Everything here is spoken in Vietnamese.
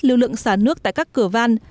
lưu lượng xả nước tại các cửa van